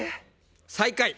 最下位。